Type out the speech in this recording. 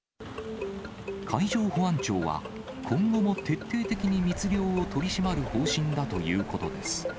海上保安庁は、今後も徹底的に密漁を取り締まる方針だということです。